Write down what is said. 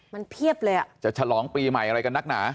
มันเพียบเลยอ่ะจะฉลองปีใหม่อะไรกันนักหนา